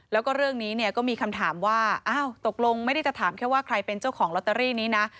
แล้วก็เรื่องนี้เนี่ยก็มีคำถามว่าอ้าวตกลงไม่ได้จะถามแค่ว่าใครเป็นเจ้าของลอตเตอรี่นี้นะ